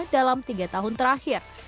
dalam tiga tahun terakhir